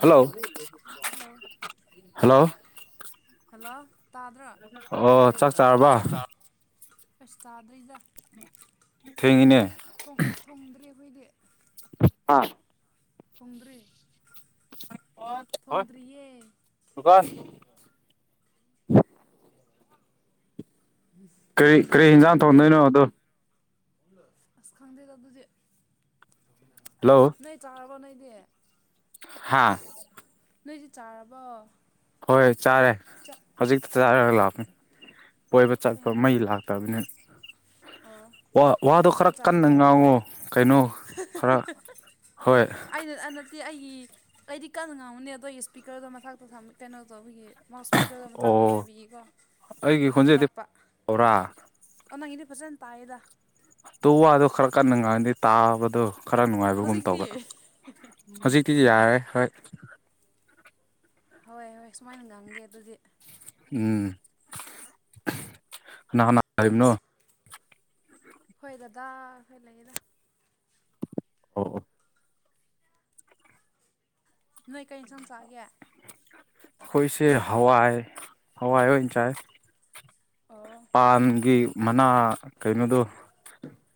Hello hello hello hello ꯇꯥꯗ꯭ꯔꯣ ꯑꯣ ꯆꯥꯛ ꯆꯥꯔꯕ ꯑꯁ ꯇꯥꯗ꯭ꯔꯤꯗ ꯊꯦꯡꯉꯤꯅꯦ ꯊꯣꯡꯗ꯭ꯔꯦ ꯐꯣꯏꯗꯤ ꯑꯥ ꯐꯨꯡꯗꯔꯤ [unintelligible] ꯀꯔꯤ ꯀꯔꯤ ꯌꯦꯟꯖꯥꯡ ꯅꯣꯏ ꯊꯣꯡꯗꯣꯏꯅꯣ ꯑꯗꯣ ꯑꯁ ꯈꯪꯗ ꯇ ꯑꯗꯨꯗꯤ ꯍꯜꯂꯣ ꯅ ꯆꯥꯔꯕ ꯅ ꯇꯦ ꯍꯥꯥ ꯅꯣꯏꯗꯤ ꯆꯥꯔꯕ ꯍꯣꯏꯣꯏ ꯆꯥꯔꯦ ꯍꯧꯖꯤꯛꯇ ꯆꯥꯔꯒ ꯂꯥꯛꯄꯅꯤ ꯀꯣꯏꯕ ꯀꯩ ꯆꯠꯄ ꯌꯦꯟꯁꯥꯡ ꯃꯩ ꯂꯥꯛꯇꯕꯅꯤ ꯑꯣ ꯋꯥ ꯀꯩ ꯋꯥꯗꯣ ꯌꯦꯟꯁꯥꯡ ꯈꯔ ꯀꯟꯅ ꯆꯥꯒꯦ ꯉꯥꯡꯉꯣ ꯀꯩꯅꯣ ꯈꯔ ꯍꯣꯏ ꯑꯗꯨꯗꯤ ꯑꯩꯒꯤ ꯀꯗꯤ ꯀꯟꯅ ꯉꯥꯡꯉꯨꯅꯦ ꯑꯗꯣ ꯑꯩꯒꯤ ꯏꯁꯄꯤꯀꯔꯗꯣ ꯃꯊꯛꯇꯇ ꯀꯩꯅꯣ ꯇꯧꯕꯒꯤ ꯃꯥꯎꯠ ꯏꯁꯄꯤꯀꯔꯗꯣ ꯃꯊꯥꯛꯛꯇꯗ ꯑꯣ ꯑꯣꯏꯕꯤꯌꯦꯀꯣ ꯑꯩꯒꯤ ꯑꯗꯨꯒꯤ ꯈꯣꯟꯖꯦꯜꯗꯤ ꯇꯞꯄ ꯐꯥꯎꯔꯥ ꯑꯪꯒꯤꯗꯤ ꯐꯖꯅ ꯇꯥꯏꯌꯦꯗ ꯇꯨ ꯋꯥꯗꯣ ꯈꯔ ꯀꯟꯅ ꯉꯥꯏꯗꯤ ꯇꯥꯕꯗꯣ ꯈꯔ ꯅꯨꯡꯉꯥꯏꯕꯒꯨꯝ ꯍꯧꯖꯤꯛꯇꯤ ꯇꯧꯕ ꯍꯧꯖꯤꯛꯇꯤ ꯌꯥꯔꯦ ꯍꯣꯏ ꯍꯣꯏ ꯍꯣꯏ ꯁꯨꯃꯥꯏꯅ ꯉꯝꯒꯦ ꯑꯗꯨꯗꯤ ꯎꯝ ꯀꯅꯥꯅꯥ ꯍꯥꯏꯔꯤꯕꯅꯣ ꯑꯁ ꯍꯣꯏ ꯗꯗꯥ ꯍꯣꯏ ꯂꯩꯌꯦꯗ ꯑꯣ ꯑꯣ ꯅꯣꯏ ꯀꯔꯤ ꯌꯦꯟꯁꯥꯡ ꯆꯥꯛꯒꯦ ꯑꯩꯈꯣꯏꯁꯦ ꯍꯋꯥꯥꯏ ꯍꯋꯥꯥꯏ ꯍꯣꯏ ꯆꯥꯏ ꯑꯣ ꯄꯥꯟꯒꯤ ꯃꯅꯥ ꯀꯩꯅꯣꯗꯣ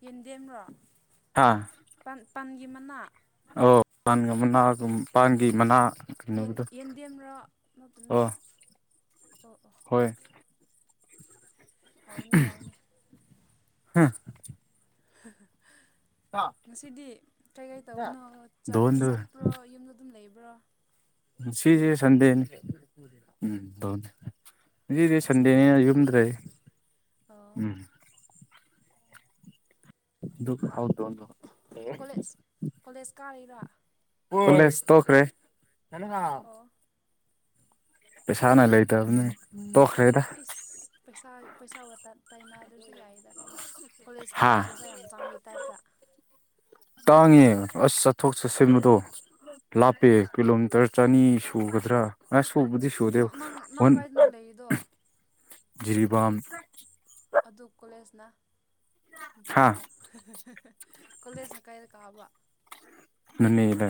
ꯌꯦꯟꯗꯦꯝ꯭ꯔꯣ ꯍꯥꯥ ꯃꯥ ꯄꯟꯒꯤ ꯃꯅꯥ ꯥꯟꯒ ꯃꯅꯥꯒ ꯃꯄꯥꯟꯒꯤ ꯃꯅꯥ ꯌꯦꯟ ꯀꯩꯅꯣꯕꯗꯣ ꯌꯦꯟꯗꯦꯝꯔꯣ ꯅꯠꯇꯅ ꯑꯣ ꯑꯣ ꯑꯣ ꯍꯣꯏ ꯍꯧꯥꯎꯅꯦ ꯑꯥꯎꯅꯦ ꯍ ꯉꯁꯤꯗꯤ ꯀꯩꯀꯩ ꯇꯧꯕꯅꯣ ꯗꯣꯟꯗꯨ ꯆꯠꯄ꯭ꯔꯣ ꯌꯨꯝꯗ ꯑꯗꯨꯝ ꯂꯩꯕ ꯭ꯔꯣꯝꯉ ꯁꯤꯁꯤꯦ ꯁꯗꯦꯅꯤ ꯎꯝꯅꯤ ꯍꯧꯗꯤ ꯍꯣꯏ ꯁꯟꯗꯦꯅꯦ ꯁꯟꯗꯦꯅꯤ ꯌꯨꯝꯗ꯭ꯔꯗꯤ ꯑꯣ ꯎꯝ ꯗꯨ ꯍꯥꯎ ꯀꯣꯂꯦꯖ ꯀꯣꯂꯦꯖ ꯀꯥꯔꯔ ꯂꯦ ꯇꯣꯈ꯭ꯔꯦ ꯑꯣ ꯄꯩꯁꯥ ꯅ ꯂꯩꯇꯕꯅꯤ ꯇꯣꯛꯈ꯭ꯔꯦꯗ ꯏꯁ ꯄꯁ ꯄꯩꯁꯥ ꯇꯥꯏꯅꯗꯔ ꯨ ꯌꯥꯏꯌꯦꯗ ꯀꯩꯅꯣ ꯀꯣꯂꯦꯖ ꯍꯥ ꯀꯥꯎꯕ ꯄꯩꯁꯥ ꯌꯥꯝ ꯆ ꯆꯥꯎꯃꯤ ꯇꯥꯏꯞꯇ ꯇꯥꯡꯉꯦ ꯑꯁ ꯆꯠꯊꯣꯛ ꯆꯠꯁꯤꯟꯕꯗꯣ ꯂꯥꯞꯄꯦ ꯏꯁ ꯀꯤꯂꯣꯃꯤꯇꯔ ꯆꯅꯤ ꯁꯨꯒꯗ꯭ꯔꯥ ꯑꯁ ꯁꯨꯕꯨꯗꯤ ꯁꯨꯗꯦ ꯅꯪ ꯅꯪ ꯅꯪ ꯍꯟ ꯀꯥꯏꯗꯅꯣ ꯂꯩꯔꯤꯗꯣ ꯖꯤꯔꯤꯕꯥꯝ ꯑꯗꯨ ꯀꯣꯂꯦꯖꯅ ꯍꯥ ꯏꯝꯐꯥꯜꯗ ꯀꯣꯂꯦꯖꯅ ꯀꯥꯏꯗ ꯀꯥꯕ ꯃꯅꯦ ꯏꯂ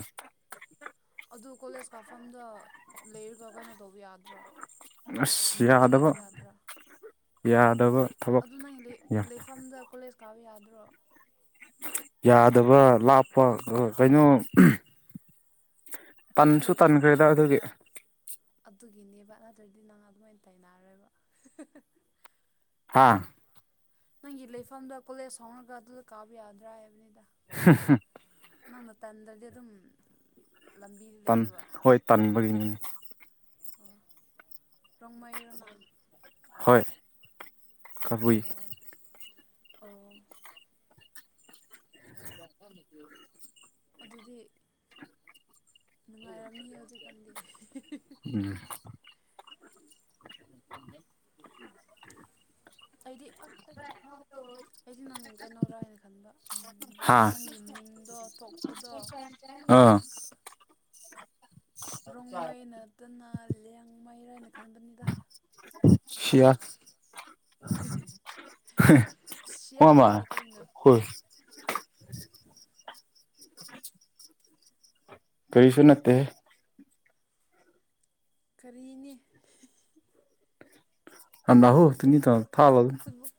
ꯑꯗꯨ ꯀꯣꯂꯦꯖ ꯀꯥꯞꯐꯝꯗ ꯂꯩꯔꯒ ꯀꯩꯅꯣ ꯇꯧꯕ ꯌꯥꯗ꯭ꯔꯥ ꯑꯁ ꯀꯣꯂꯦꯖ ꯌꯥꯗꯕ ꯀꯥꯞꯄ ꯌꯥꯗ꯭ꯔꯥ ꯌꯥꯗꯕ ꯊꯕꯛ ꯑꯗꯨ ꯅꯪ ꯂꯩꯐꯝꯗ ꯀꯣꯂꯦꯖ ꯀꯥꯕ ꯌꯥꯗ꯭ꯔꯣ ꯌꯥꯗꯕ ꯂꯥꯞꯄ ꯀꯩꯅꯣ ꯍꯥꯏꯗꯤ ꯇꯟꯁꯨ ꯇꯟꯈ꯭ꯔꯦꯗ ꯑꯗꯨꯒꯤ ꯑꯗꯨꯒꯤꯅꯦꯕ ꯑꯗꯨꯠꯇ꯭ꯔꯗꯤ ꯅꯪꯅ ꯑꯗꯨꯃꯥꯏꯅ ꯇꯅꯔꯣꯏꯕ ꯍꯥꯥ ꯅꯪꯒꯤ ꯂꯩꯐꯝꯗ ꯀꯣꯂꯦꯖ ꯍꯧꯔꯒ ꯑꯗꯨꯗ ꯀꯥꯕ ꯌꯥꯗ꯭ꯔꯥ ꯍꯥꯏꯕꯅꯤꯗ [inaudible] ꯅꯃ ꯇꯗꯗꯤ ꯑꯗꯨꯝ ꯂꯝꯕꯤꯗ ꯥꯟ ꯂꯩꯌꯦꯕ ꯍꯣꯏ ꯇꯟꯕꯒꯤꯅꯤ ꯔꯣꯡꯃꯥꯏꯣꯔꯣꯅꯥ ꯍꯣꯏ ꯀꯕꯨꯏ ꯑꯣ [inaudible] ꯑꯗꯨꯗꯤ ꯅꯨꯡꯉꯥꯏꯔꯝꯅꯤꯍ ꯍꯧꯖꯤꯛꯀꯥꯟꯗꯤ ꯫ ꯑꯩꯗꯤ ꯑꯁ ꯑꯩꯗꯤ ꯅꯪ ꯀꯩꯅꯣꯔꯥ ꯍꯥꯏꯅ ꯈꯟꯕ ꯍꯥ ꯅꯪꯒꯤ ꯃꯤꯡꯗꯣ ꯊꯣꯛꯄꯗꯣ ꯑꯥ ꯔꯣꯡꯃꯩ ꯅꯠꯇꯅ ꯂꯦꯡꯃꯩꯔꯅ ꯈꯟꯕꯅꯤꯗ ꯁꯤꯌꯥ ꯁꯌꯥ ꯍꯃ ꯍꯥꯏꯗꯤ ꯀꯩꯅꯩꯅ ꯍꯣꯏ [unintelligible] [unintelligible] ꯀꯔꯤꯁꯨ ꯅꯠꯇꯦ ꯀꯔꯤꯅꯦ ꯑꯗ ꯍꯣꯅꯤ ꯇ ꯊꯥꯕ ꯑꯗꯨ ꯐꯨꯠꯕꯣꯜ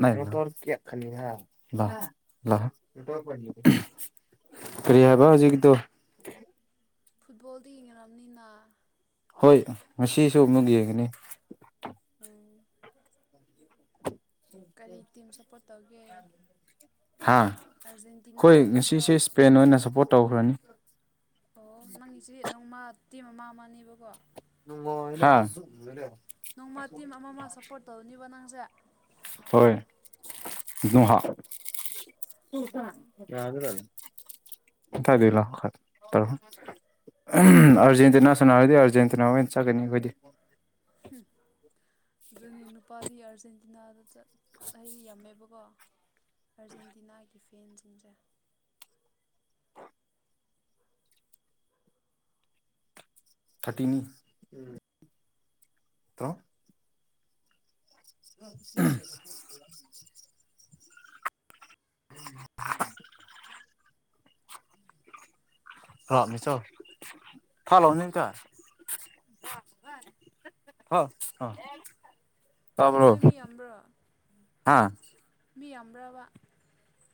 ꯅꯌꯥ ꯈ ꯐꯔꯤ ꯍꯥꯏꯕ ꯍꯧꯖꯤꯒꯤꯗꯣ ꯐꯨꯠꯕꯣꯜꯗꯤ ꯌꯦꯡꯅꯕꯅꯤꯅ ꯍꯣꯏ ꯉꯁꯤꯁꯨ ꯑꯃꯨꯛ ꯌꯦꯡꯒꯅꯤ ꯎꯝ ꯀꯔꯤ ꯇꯤꯝ ꯁꯞꯄꯣꯔꯠ ꯇꯧꯒꯦ ꯍꯥ ꯑꯥꯔꯖꯦꯟꯇꯤꯅꯥ ꯍꯣꯏ ꯑꯣꯏꯒꯗ꯭ꯔꯣ ꯉꯁꯤꯁꯦ ꯏꯁꯄꯦꯟ ꯑꯣꯏꯅ ꯁꯞꯄꯣꯔꯠ ꯇꯧꯈ꯭ꯔꯅꯤ ꯑꯣ ꯅꯪꯒꯤꯁꯤꯦ ꯅꯣꯡꯃꯇꯤ ꯃꯃꯥ ꯑꯃꯅꯦꯕꯀꯣ [unintelligible] ꯅꯣꯡꯃ ꯇꯤꯝ ꯑꯃꯃ ꯁꯞꯄꯣꯔꯠ ꯇꯧꯔꯅꯤꯕ ꯅꯪꯁꯦ ꯍꯥ ꯌꯥꯏ ꯌꯥ ꯊꯗꯂ ꯇꯔ ꯑꯔꯖꯦꯟꯇꯤꯅꯥ ꯁꯅꯔꯗꯤ ꯑꯔꯖꯦꯟꯇꯤꯅꯥ ꯑꯣꯏ ꯆꯒꯦꯅꯤ ꯑꯩꯈꯣꯏꯗꯤ ꯑꯗꯨꯅꯤ ꯅꯨꯄꯥꯔꯤ ꯑꯥꯔꯖꯦꯟ ꯏꯅꯥꯗ ꯆꯠ ꯑꯩꯗꯤ ꯌꯥꯝꯝꯃꯦꯕꯀꯣ ꯑꯥꯔꯖꯦꯟꯇꯤꯅꯥꯒꯤ ꯐꯦꯟꯁꯤꯡꯁꯦ [unintelligible] ꯊꯥꯔꯇꯤꯅꯤ ꯇ ꯎꯝ [unintelligible] ꯍꯃꯤ ꯆꯣ ꯐ ꯍꯅꯤ ꯀ ꯍ ꯑ ꯅꯣꯏꯃꯤ ꯌꯥꯝꯕ꯭ꯔꯣ ꯍꯥꯥ ꯃꯤ ꯌꯥꯝꯕ꯭ꯔꯕ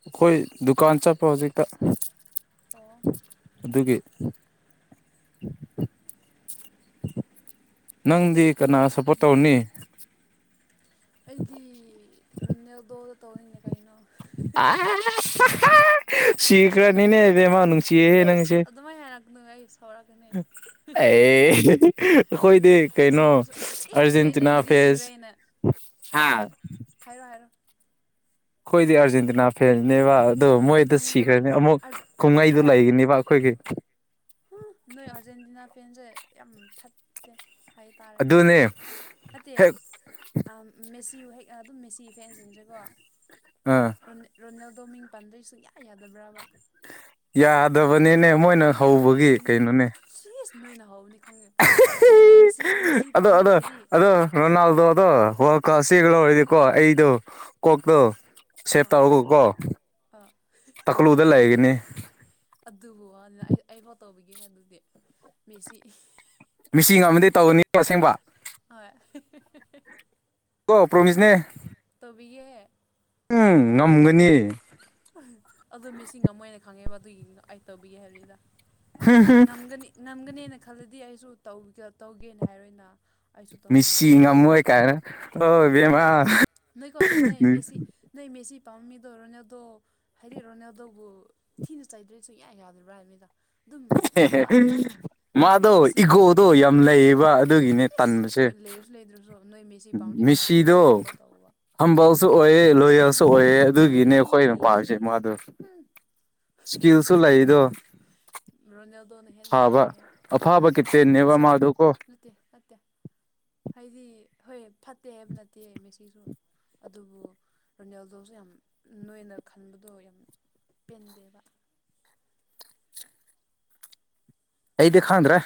ꯑꯩꯈꯣꯏ ꯗꯨꯀꯥꯟ ꯆꯠꯄ ꯍꯧꯖꯤꯛꯇ ꯑꯣ ꯑꯗꯨꯒꯤ ꯎꯝ ꯎ ꯅꯪꯗꯤ ꯀꯅꯥ ꯑꯣ ꯁꯞꯄꯣꯔꯠ ꯇꯧꯅꯤ ꯑꯩꯗꯤ ꯅꯦꯜꯗꯣꯗ ꯇꯧꯔꯤꯅꯦ ꯀꯩꯅꯣ ꯁꯤꯀ꯭ꯔꯅꯤꯅꯦꯕꯃꯅꯨꯡꯪꯁꯤꯦꯦ ꯏꯁ ꯅꯪꯁꯤꯦ [unintelligible] ꯑꯦ ꯑꯩꯈꯣꯏꯗꯤ ꯀꯩꯅꯣ ꯁꯤꯔꯁꯨ ꯑꯦ ꯅꯣꯏ ꯑꯔꯖꯦꯟꯇꯤꯅꯥ ꯅꯣꯏꯒꯤꯗꯤ ꯁꯤꯔꯣꯏꯅ ꯐꯦꯁ ꯍꯥꯏꯔꯣ ꯍꯥꯥ ꯍꯥꯏꯔꯣ ꯍꯥꯏꯔꯣ ꯍꯥꯏꯔꯣ ꯑꯩꯣꯏꯗꯤ ꯑꯔꯖꯦꯟꯇꯤꯅꯥ ꯐꯦꯔꯅꯦꯕ ꯑꯗꯣ ꯃꯣꯏꯗ ꯈꯪꯉꯦꯕ ꯁꯤꯈ꯭ꯔꯅꯤ ꯑꯃꯨꯛ ꯀꯨꯝꯍꯩꯗꯨ ꯍꯥꯏꯔ ꯂꯩꯒꯅꯤꯕ ꯑꯩꯈꯣꯏꯒꯤ ꯅꯣꯏ ꯑꯥꯔꯖꯦꯟꯇꯤꯅꯥ ꯐꯦꯟꯁꯦ ꯌꯥꯝ ꯐꯠꯇꯦ ꯍꯥꯏꯇꯥꯔꯦ ꯑꯗꯨꯅꯦ ꯅꯠꯇꯦꯛ ꯍꯦꯛ ꯍꯦꯛ ꯑꯗꯨꯝ ꯃꯦꯁꯤ ꯑꯥ ꯐꯦꯟꯁꯤꯡꯁꯦꯀꯣꯣꯜ [unintelligible] ꯑꯗꯣ ꯃꯤꯡ ꯄꯟꯗꯣꯏ ꯁꯨꯡꯌꯥ ꯌꯥꯗꯕ꯭ꯔꯕ ꯌꯥꯗꯕꯅꯤꯅꯦ ꯃꯣꯏꯅ ꯍꯧꯕꯒꯤ ꯀꯩꯅꯣꯅꯦ ꯅꯣꯏꯅꯍꯥꯎ ꯑꯗꯣ ꯄꯥꯝꯃꯦ ꯑꯗꯣ ꯍꯥꯏꯗꯤ ꯑꯗꯣ ꯅꯅꯜ ꯑꯗꯨꯣ ꯑꯗꯣ ꯍꯣ ꯀ ꯁꯤ ꯑꯥ ꯑꯣꯏꯗꯤꯀꯣ ꯑꯩꯗꯣ ꯀꯣꯛꯇꯣ ꯁꯦꯚ ꯑꯥ ꯇꯧꯔꯒ ꯀꯣ ꯑꯥ ꯇꯀꯂꯨꯗ ꯂꯩꯒꯅꯤ ꯑꯗꯨꯕꯨ ꯋꯥꯅꯤꯅ ꯑꯩ ꯑꯩꯐꯥꯎ ꯇꯧꯕꯤꯒꯦ ꯍꯥꯏ ꯑꯗꯨꯗꯤ ꯃꯦꯁꯤ ꯃꯥꯁꯤ ꯑꯃꯗꯤ ꯇꯧꯔꯅꯤ ꯑꯁꯦꯡꯕ ꯍꯣꯏ ꯀꯣ ꯄ꯭ꯔꯣꯃꯤꯁꯅꯦ ꯇꯧ ꯇꯧꯕꯤꯒꯦ ꯎꯝ ꯉꯝꯒꯅꯤ ꯑꯗꯨ ꯃꯤꯁꯤ ꯉꯃꯣꯏ ꯈꯪꯉꯦꯕ ꯑꯗꯨꯒꯤ ꯑꯩ ꯇꯧꯕꯤꯒꯦ ꯍꯥꯏꯕꯅꯤꯗ ꯉꯝꯒꯅꯤ ꯉꯝꯒꯅꯦꯅ ꯈꯜꯂꯗꯤ ꯑꯩꯁꯨ ꯇꯧꯒꯦꯅ ꯍꯥꯏꯔꯣꯏꯅ ꯑꯩꯁꯨ ꯇꯧꯅꯤꯡꯕ ꯃꯤꯁꯤ ꯅꯠꯇꯦꯕ ꯉꯝꯃꯣꯏ ꯀꯥꯏꯅ ꯍ ꯕꯃꯥ ꯅꯣꯏꯀꯣ ꯅ ꯃꯦꯁꯤ ꯅ ꯀ ꯁꯤ ꯄꯥꯝꯃꯤꯗꯣ ꯔꯣꯅꯦꯗꯣ ꯍꯥꯏꯗꯤ ꯔꯣꯅꯦꯗꯣꯕꯨ ꯊꯤꯅ ꯆꯩꯥꯏꯗ꯭ꯔꯦꯁꯨ ꯌꯥꯏ ꯌꯥꯗꯔꯤꯕ꯭ꯔ ꯍꯥꯏ ꯃꯤꯗ ꯃꯥꯗꯣ ꯏꯒꯣꯗꯣ ꯌꯥꯝ ꯂꯩꯌꯦꯕ ꯑꯗꯨꯒꯤꯅꯦ ꯏꯁꯁ ꯇꯟꯕꯁꯦ ꯂꯩꯔꯁꯨ ꯂꯩꯗ꯭ꯔꯁꯨ ꯅꯣꯏ ꯃꯦꯁꯤ ꯄꯥꯝꯗꯦ ꯃꯦꯁꯤꯕꯨ ꯑꯗꯨꯝ ꯃꯤꯁꯤꯗꯣ ꯁꯨꯄꯣꯔ ꯇꯧꯕꯧꯕ ꯍꯝꯕꯜꯁꯨ ꯑꯣꯏꯑꯦ ꯂꯣꯌꯦꯜꯁꯨ ꯑꯣꯏꯑꯦ ꯏ ꯑꯗꯨꯒꯤꯅꯦ ꯑꯩꯈꯣꯏꯅ ꯄꯥꯔꯤꯁꯦ ꯃꯥꯗꯣ ꯁꯀꯤꯜꯁꯨꯂ ꯏꯗꯣ ꯔꯣꯟꯅ ꯐꯥꯕ ꯑꯐꯥꯕ ꯀꯇꯦꯅꯦꯕ ꯐꯖ ꯃꯥ ꯑꯗꯨꯀꯣ ꯅꯠꯇꯦ ꯅꯠꯇꯦ ꯍꯥꯏꯗꯤ ꯍꯣꯏ ꯐꯠꯇꯦ ꯍꯥꯏꯕ ꯅꯠꯇꯦ ꯃꯦꯁꯤꯁꯨ ꯑꯗꯨꯕꯨ ꯔꯣꯅꯦꯜꯗꯣꯁꯨ ꯌꯥꯝ ꯅꯣꯏꯅ ꯈꯟꯕꯗꯣ ꯌꯥꯝ ꯎ ꯄꯦꯟꯗꯦꯕ ꯑꯩꯗꯦ ꯀꯨꯪꯗꯔ꯭ꯦ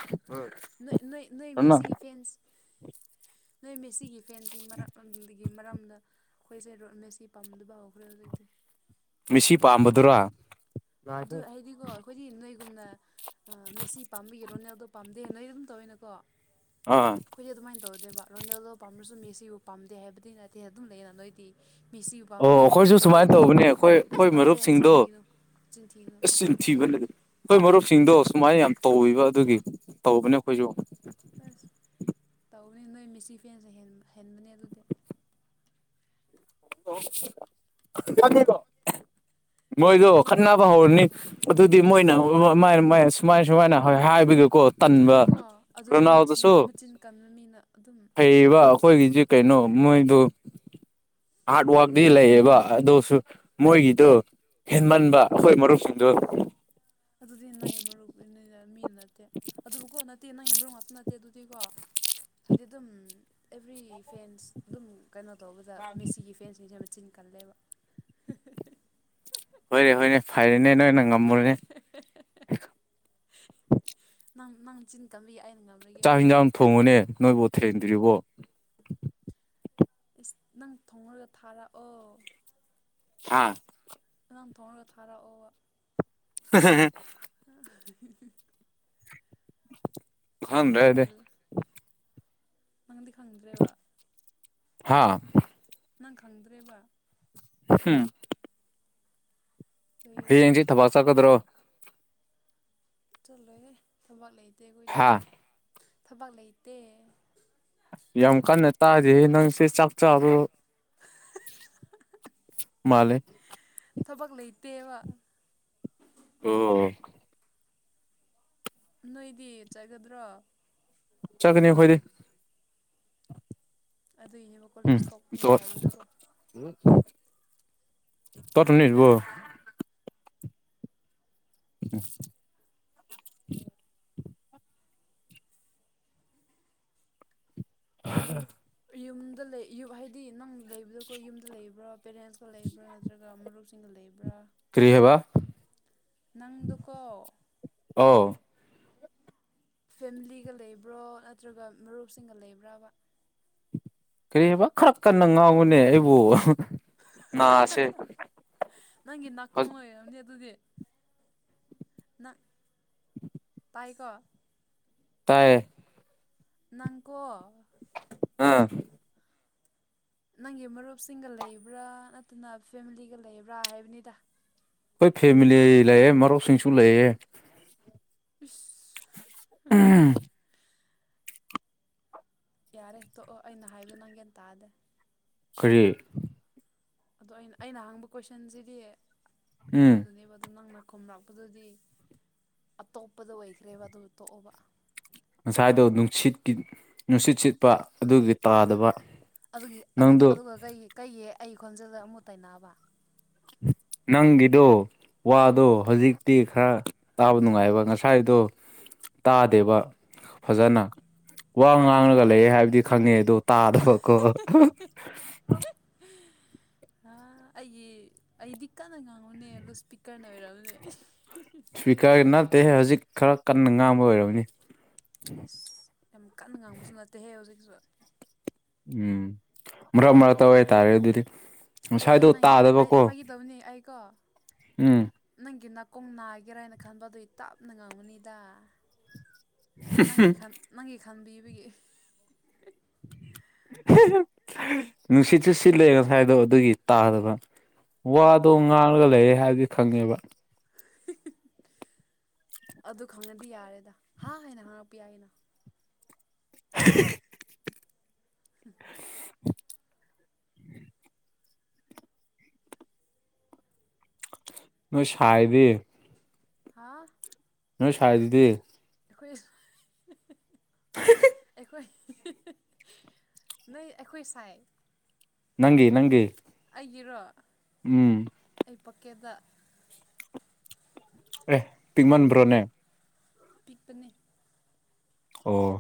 ꯅꯣꯏ ꯃꯁꯤ ꯐꯦꯟꯁ ꯅꯣꯏ ꯃꯁꯤ ꯐꯦꯟꯁ ꯐꯦꯟꯁꯤ ꯃꯔꯝꯒꯤ ꯃꯔꯝꯗ ꯑꯩꯈꯣꯏꯁꯦ ꯔꯣꯠ ꯃꯦꯁꯤ ꯄꯥꯝꯗꯕ ꯍꯧꯈ꯭ꯔꯦ ꯍꯧꯖꯤꯛꯇꯤ ꯃꯤꯁꯤ ꯄꯥꯝꯕꯗꯨꯔ ꯑꯗꯨ ꯍꯥꯏꯗꯤꯀꯣ ꯑꯩꯈꯣꯏꯗꯤ ꯅꯣꯏꯒꯨꯝꯅ ꯃꯦꯁꯤ ꯄꯥꯕꯤ ꯌꯦꯔꯣꯅꯦ ꯑꯗꯣ ꯄꯥꯝꯗꯦ ꯅꯣꯏ ꯑꯗꯨꯝ ꯇꯧꯋꯤꯅꯀꯣ ꯑꯥ ꯑꯩꯣꯏꯗꯤ ꯑꯗꯨꯃꯥꯏꯅ ꯇꯧꯔꯗꯤ ꯑꯗꯨꯒ ꯔꯣꯅꯦꯜꯗꯣ ꯄꯥꯝꯃꯁꯨ ꯃꯦꯁꯤꯕꯨ ꯄꯥꯝꯗꯦ ꯍꯥꯏꯕꯗꯤ ꯅꯠꯇꯦ ꯑꯗꯨꯝ ꯂꯩꯌꯦꯅ ꯅꯣꯏꯗꯤ ꯃꯤꯁꯤꯕꯨ ꯄꯥꯝ ꯑꯣ ꯃꯤꯗꯤ ꯑꯩꯈꯣꯏꯁꯨ ꯁꯨꯃꯥꯏꯅ ꯏꯔꯣꯟꯖꯗꯧꯕ ꯇꯧꯕꯅꯦ ꯑꯩꯈꯣꯏ ꯑꯁ ꯑꯩꯈꯣꯏ ꯇꯧꯗꯦ ꯍꯟꯆꯤꯟ ꯃꯔꯨꯞꯁꯤꯡꯗꯣ ꯊꯤꯅꯨ ꯑꯁ ꯊꯤꯕ ꯂꯩ ꯑꯩꯈꯣꯏ ꯃꯔꯨꯞꯁꯤꯡꯗꯣ ꯁꯨꯃꯥꯏꯅ ꯌꯥꯝ ꯇꯧꯕ ꯑꯗꯨꯒꯤ ꯇꯧꯕꯅꯦ ꯑꯩꯈꯣꯏꯁꯨ ꯑꯁ ꯇꯧꯕꯅꯤ ꯅꯣꯏ ꯃꯦꯁꯤ ꯐꯦꯟꯁꯦ ꯍꯦꯟꯕꯅꯦ ꯑꯗꯨꯗꯤ ꯌꯥꯅꯤꯗꯣ [inaudible] [unintelligible] ꯃꯣꯏꯗꯣ ꯈꯠꯅꯕ ꯍꯧꯔꯅꯤ ꯑꯗꯨꯗꯤ ꯃꯣꯏꯅ ꯁꯨꯃꯥꯏ ꯁꯨꯃꯥꯏꯅ ꯍꯥꯏꯕꯗꯨ ꯑꯗꯨꯗꯤꯀꯣ ꯑꯗꯨꯗꯤ ꯃꯆꯤꯟ ꯃꯆꯤꯟ ꯀꯕ ꯃꯤꯅ ꯑꯗꯨꯝ ꯑꯩꯈꯣꯏꯒꯤꯁꯦ ꯀꯩꯅꯣ ꯃꯣꯏꯗꯨ ꯍꯥꯔꯠ ꯋꯥꯔꯇꯤ ꯂꯩꯌꯦꯕ ꯑꯗꯨꯁꯨ ꯃꯣꯏꯒꯤꯗꯣ ꯍꯦꯟꯃꯟꯕ ꯑꯩꯈꯣꯏ ꯃꯔꯨꯞꯁꯤꯡꯗꯨꯣ ꯑꯗꯨꯗꯤꯅꯥ ꯃꯔꯨ ꯃꯤꯅ ꯅꯠꯇꯦ ꯑꯗꯨꯕꯨꯀꯣ ꯅꯠꯇꯦ ꯏꯅꯥ ꯌꯦꯝ ꯃꯔꯨ ꯉꯥꯛꯇ ꯅꯠꯇꯦ ꯑꯗꯨꯗꯤꯀꯣ ꯍꯥꯏꯗꯤ ꯑꯗꯨꯝ ꯑꯦꯕ꯭ꯔꯤ ꯐꯦꯟꯁ ꯑꯗꯨꯝ ꯀꯩꯅꯣ ꯇꯧꯕꯗ ꯃꯤꯦꯁꯤꯒꯤ ꯐꯦꯟꯁꯤꯡ ꯀꯆꯤꯟ ꯀꯜꯂꯦꯕ ꯍꯣꯏꯅꯦ ꯍꯣꯏꯅꯦ ꯐꯔꯦꯅꯦ ꯅꯣꯏꯅ ꯉꯝꯃꯨꯔꯅꯦ ꯅꯪ ꯅꯪ ꯆꯤꯟ ꯀꯝꯕꯤꯏ ꯑꯩꯅ ꯉꯝꯔꯒꯦ ꯆꯥꯛ ꯍꯣꯏ ꯍꯟꯖꯥꯡ ꯊꯣꯡꯉꯨꯅꯦ ꯅꯣꯏꯕꯨ ꯊꯦꯡꯗ꯭ꯔꯤꯕꯣ ꯏꯁꯁ ꯅꯪ ꯊꯣꯉꯒ ꯊꯥꯔꯛꯑꯣ ꯍꯥꯥ ꯑꯗꯨꯝ ꯊꯕꯒ ꯍꯔ [inaudible] [inaudible] ꯇꯨꯡꯃꯨ ꯈꯪꯗ꯭ꯔꯗꯤ ꯇꯔꯨ ꯅꯪꯗꯤ ꯈꯪꯗ꯭ꯔꯦꯕ ꯍꯥꯥ ꯅꯪ ꯈꯪꯗ꯭ꯔꯦꯕ ꯍꯝ ꯂꯣꯏꯔꯦꯍꯦ ꯍꯌꯦꯡꯁꯤ ꯊꯕꯥꯛ ꯆꯠꯀꯗ꯭ꯔꯣ ꯆꯠꯂꯣꯏꯦ ꯊꯕꯥꯛ ꯂꯩꯇꯦ ꯑꯩꯈꯣꯏꯗꯤ ꯍꯥ ꯊꯕꯛ ꯂꯩꯇꯦ ꯌꯥꯝ ꯀꯟꯅ ꯇꯥꯗꯤ ꯅꯪꯁꯦ ꯆꯥꯛ ꯆꯥꯔ ꯊꯕꯛ ꯃꯥꯂꯦ ꯊꯕꯛ ꯂꯩꯇꯦꯕ ꯑꯣꯝ ꯅꯣꯏꯗꯤ ꯆꯠꯒꯗ꯭ꯔꯣ ꯆꯒꯅꯤ ꯐꯣꯏꯗꯤ ꯑꯗꯨꯏꯅꯦꯕ ꯀꯣꯂꯦꯖ ꯇꯣꯛꯀꯅꯤ ꯍꯥꯏꯕꯗꯀꯣ ꯇ ꯇꯅꯤꯕꯣ ꯑꯝ ꯑ ꯌꯨꯝꯗ ꯂꯩ ꯌ ꯍꯥꯏꯗꯤ ꯅꯪ ꯂꯩꯕꯗꯀꯣ ꯌꯨꯝꯗ ꯂꯩꯕ꯭ꯔꯥ ꯄꯦꯔꯦꯟꯁꯀ ꯂꯩꯕ꯭ꯔꯥ ꯅꯠꯇ꯭ꯔꯒ ꯃꯔꯨꯞꯁꯤꯡꯒ ꯂꯩꯕ꯭ꯔꯥ ꯭ꯔ ꯀꯔꯤ ꯍꯥꯏꯕ ꯅꯪꯗꯨꯀꯣ ꯑꯣ ꯐꯦꯃꯤꯂꯤꯒ ꯂꯩꯕ꯭ꯔꯣ ꯅꯠꯇ꯭ꯔꯒ ꯃꯔꯨꯞꯁꯤꯡꯒ ꯂꯩꯕ꯭ꯔꯕ ꯀꯔꯤ ꯍꯥꯏꯕ ꯈꯔ ꯀꯟꯅ ꯉꯥꯎꯕꯅꯦ ꯑꯩꯕꯨ ꯅꯥꯁꯦ ꯅꯪꯒꯤ ꯅꯥꯀꯣꯡ ꯑꯣꯏꯝꯅꯦ ꯑꯗꯨꯗꯤ ꯅ [inaudible] ꯃꯅꯤꯀꯣ ꯇꯥꯏꯌꯦ ꯅꯪꯀꯣ ꯑꯥ ꯅꯪꯒꯤ ꯃꯔꯨꯞꯁꯤꯡꯒ ꯂꯩꯕ꯭ꯔꯥ ꯅꯠꯇꯅ ꯐꯦꯃꯤꯂꯤꯒ ꯂꯩꯕ꯭ꯔꯥ ꯍꯥꯏꯕꯅꯤꯗ ꯍꯣꯏ ꯐꯦꯃꯤꯂꯤ ꯂꯩꯌꯦ ꯃꯔꯨꯞꯁꯤꯡꯁꯨ ꯂꯩꯌꯦ ꯁ ꯌꯥꯔꯦꯦ ꯇꯣꯛꯑꯣ ꯑꯩꯅ ꯍꯥꯏꯕꯗꯣ ꯅꯪꯒꯦꯟ ꯇꯥꯗꯦ ꯀꯔꯤ ꯑꯗꯣ ꯑꯩꯅ ꯑꯩꯅ ꯍꯥꯡꯕ ꯀꯣꯏꯁꯟꯁꯤꯗꯤ ꯎꯝ ꯀꯩꯅꯣꯗꯨꯅꯦꯕ ꯑꯗꯣ ꯅꯪꯅ ꯈꯨꯝꯂꯛꯄꯗꯨꯗꯤ ꯑꯇꯣꯞꯄꯗ ꯑꯣꯏꯈ꯭ꯔꯦꯕ ꯑꯗꯨ ꯇꯣꯛꯑꯣꯕ ꯉꯁꯥꯏꯗꯣ ꯅꯨꯡꯁꯤꯠꯀꯤ ꯅꯨꯡꯁꯤꯠ ꯁꯤꯠꯄ ꯑꯗꯨꯒꯤ ꯇꯥꯗꯕ ꯑꯗꯨꯒꯤ ꯅꯪꯗꯣ ꯑꯗꯨꯒ ꯀꯩꯒꯤ ꯑꯩ ꯈꯣꯟꯖꯦꯜꯗ ꯑꯃꯨꯛ ꯇꯩꯅꯕ ꯅꯪꯒꯤꯗꯣ ꯋꯥꯗꯣ ꯍꯧꯖꯤꯛꯇꯤ ꯈꯔ ꯇꯥꯕ ꯅꯨꯡꯉꯥꯏꯑꯕ ꯉꯁꯥꯏꯗꯣ ꯇꯥꯗꯦꯕ ꯐꯖꯅ ꯋꯥ ꯑꯣ ꯉꯥꯡꯂꯒ ꯂꯩꯦ ꯍꯥꯏꯕꯗꯤ ꯈꯪꯉꯦ ꯑꯗꯣ ꯇꯥꯗꯕꯀꯣ ꯑ ꯑꯩꯒꯤ ꯑꯩꯗꯤ ꯀꯟꯅ ꯉꯥꯡꯉꯨꯅꯦ ꯂꯨꯁꯄꯤꯛ ꯀꯕꯤꯔꯅꯦ ꯏꯁꯄꯤꯀꯔ ꯅꯠꯇꯦꯍꯦ ꯍꯧꯖꯤꯛ ꯈꯔ ꯀꯟꯅ ꯉꯥꯡꯕ ꯑꯣꯏꯔꯕꯅꯤ ꯏꯁ ꯌꯥꯝ ꯀꯟꯅ ꯉꯥꯡꯕꯁꯨ ꯅꯠꯇꯦꯍꯦ ꯍꯧꯖꯤꯛꯁꯨ ꯎꯝ ꯃꯔꯛ ꯃꯔꯛꯇ ꯍꯥꯏ ꯇꯔꯦ ꯑꯣꯏ ꯑꯗꯨꯗꯤ ꯑꯩ ꯉꯁꯥꯏꯗꯣ ꯑꯩ ꯇꯥꯗꯕꯀꯣ ꯐꯥꯈꯤꯗꯕꯅꯤ ꯑꯩꯀꯣ ꯎꯝ ꯅꯪꯒꯤ ꯀꯨꯝ ꯅꯥꯒꯦꯔ ꯍꯥꯏꯅ ꯈꯟꯕ ꯑꯗꯨꯏ ꯇꯞꯅ ꯉꯥꯡꯒꯅꯤꯗ ꯅꯪꯒꯤ ꯈ ꯅꯪꯒꯤ ꯈꯥꯟꯕꯤꯕꯒꯤ [inaudible] ꯅꯨꯡꯁꯤꯠꯁꯨ ꯁꯤꯠꯂꯦ ꯉꯁꯥꯏꯗꯣ ꯑꯗꯨꯒꯤ ꯇꯥꯗꯕ ꯋꯥꯗꯣ ꯑꯥ ꯉꯥꯡꯂꯒ ꯂꯩꯔꯦ ꯍꯥꯏꯕꯗꯤ ꯈꯪꯉꯦꯕ [inaudible] ꯑꯗꯨ ꯈꯪꯅꯗꯤ ꯌꯥꯔꯦꯗ ꯍꯥꯏ ꯍꯥꯏꯅ ꯍꯥꯡꯉꯛꯄ ꯌꯥꯏꯩꯅ [inaudible] ꯎꯝ ꯅꯣꯏ ꯁꯥꯏꯗꯤ ꯍꯥꯥ ꯅ ꯁꯥꯏꯗꯤ ꯑꯩꯈꯣꯏ ꯑꯩꯈꯣꯏ ꯅꯣꯏ ꯑꯩꯈꯣꯏ ꯁꯥꯏ ꯅꯪꯒꯤ ꯅꯪ ꯌꯦꯔꯣ ꯎꯝ ꯀꯦꯕꯥꯛ ꯑꯦ ꯄꯤꯃꯟꯕ꯭ꯔꯣꯅꯦ ꯄꯄꯅꯦ ꯑꯣ